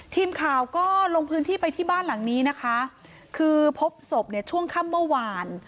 ทีมข่าวก็ลงพื้นที่ไปที่บ้านหลังนี้นะคะคือพบศพเนี่ยช่วงค่ำเมื่อวาน